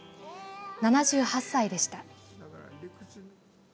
７８歳でした。